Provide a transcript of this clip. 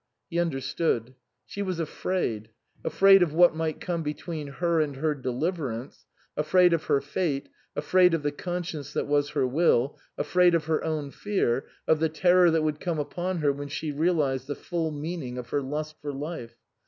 He understood. She was afraid, afraid of what might come between her and her deliver ance, afraid of her fate, afraid of the conscience that was her will, afraid of her own fear, of the terror that would come upon her when she realized the full meaning of her lust for life.